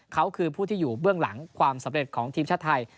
เขาคือผู้ที่อยู่เบื้องหลังความสำเร็จของทีมชาติไทย